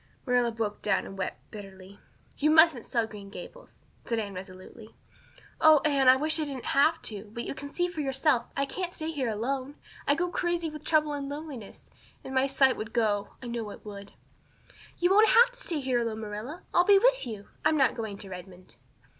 Marilla broke down and wept bitterly. "You mustn't sell Green Gables," said Anne resolutely. "Oh, Anne, I wish I didn't have to. But you can see for yourself. I can't stay here alone. I'd go crazy with trouble and loneliness. And my sight would go I know it would." "You won't have to stay here alone, Marilla. I'll be with you. I'm not going to Redmond."